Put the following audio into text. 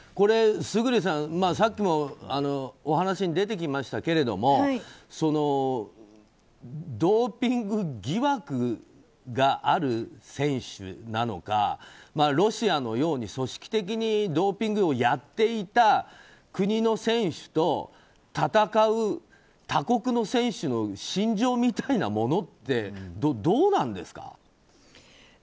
村主さん、さっきもお話に出てきましたけれどもドーピング疑惑がある選手なのかロシアのように組織的にドーピングをやっていた国の選手と戦う他国の選手の心情みたいなものってどうなんですか？